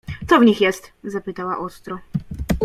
— Co w nich jest? — zapytała ostro.